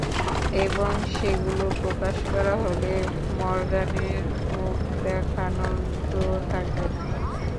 এবং সেগুলো প্রকাশ করা হলে মরগানের মুখ দেখানোর জো থাকবে না।